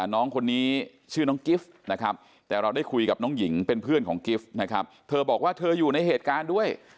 น้องคนนี้ชื่อน้องกิฟต์นะครับแต่เราได้คุยกับน้องหญิงเป็นเพื่อนของกิฟต์นะครับเธอบอกว่าเธออยู่ในเหตุการณ์ด้วย